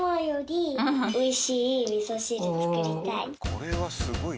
これはすごいな。